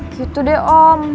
gitu deh om